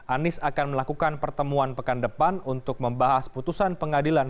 anies akan melakukan pertemuan pekan depan untuk membahas putusan pengadilan